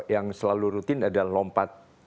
yang selalu rutin adalah lompat